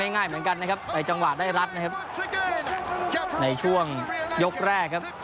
ง่ายเหมือนกันนะครับในจังหวะได้รัดนะครับในช่วงยกแรกครับ